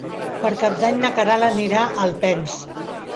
Per Cap d'Any na Queralt anirà a Alpens.